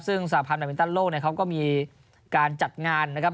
ซึ่งสหพันธ์แบบมินตันโลกเนี่ยเขาก็มีการจัดงานนะครับ